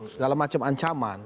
segala macam ancaman